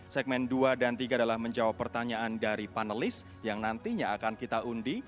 segmen dua dan tiga adalah menjawab pertanyaan dari panelis yang nantinya akan kita undi